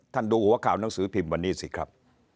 ดูหัวข่าวหนังสือพิมพ์วันนี้สิครับ